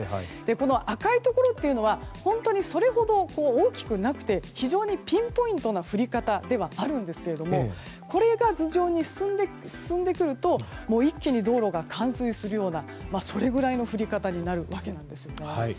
赤いところというのはそれほど大きくなくて非常にピンポイントな降り方ではあるんですがこれが頭上に進んでくると一気に道路が冠水するようなそれぐらいの降り方になるわけなんですね。